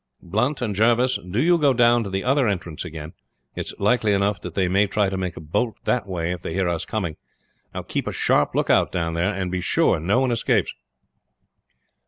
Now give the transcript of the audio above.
Blunt and Jervis, do you go down to the other entrance again. It is likely enough that they may try to make a bolt that way if they hear us coming. Keep a sharp lookout down there, and be sure no one escapes."